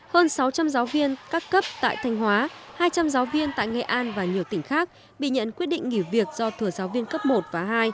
hơn sáu trăm linh giáo viên các cấp tại thanh hóa hai trăm linh giáo viên tại nghệ an và nhiều tỉnh khác bị nhận quyết định nghỉ việc do thừa giáo viên cấp một và hai